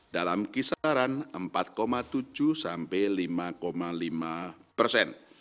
dalam kisaran empat tujuh sampai lima lima persen